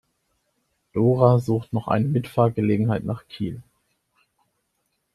Dora sucht noch eine Mitfahrgelegenheit nach Kiel.